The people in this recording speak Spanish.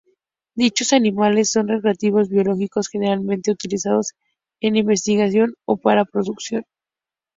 Dichos animales son reactivos biológicos generalmente utilizados en investigación o para producción.